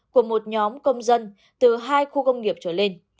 của một nhóm công dân từ hai khu công nghiệp trở lên